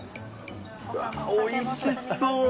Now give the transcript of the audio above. うわー、おいしそう。